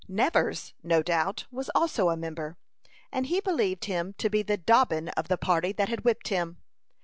Nevers, no doubt, was also a member, and he believed him to be the "Dobbin" of the party that had whipped him.